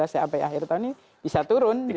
dua ribu tujuh belas sampai akhir tahun ini bisa turun